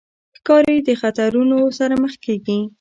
ښکاري د خطرونو سره مخ کېږي.